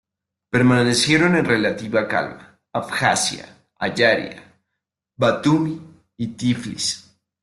Permanecieron en relativa calma Abjasia, Ayaria, Batumi y Tiflis.